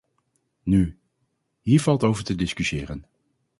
Nu, hier valt over te discussiëren.